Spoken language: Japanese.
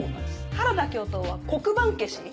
原田教頭は黒板消し？